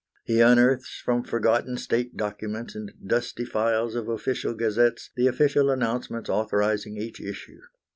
He unearths from forgotten State documents and dusty files of official gazettes the official announcements authorising each issue.